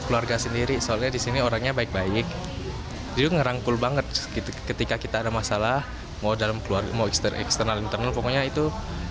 ketika kita ada masalah mau eksternal internal pokoknya itu